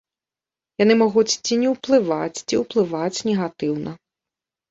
Яны могуць ці не ўплываць, ці ўплываць негатыўна.